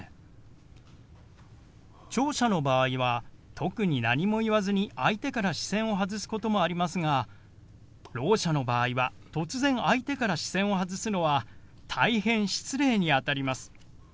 聴者の場合は特に何も言わずに相手から視線を外すこともありますがろう者の場合は突然相手から視線を外すのは大変失礼にあたります。